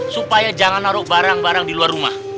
supaya jangan naruh barang barang di luar rumah